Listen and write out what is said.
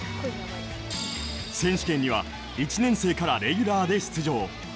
選手権には１年生からレギュラーで出場。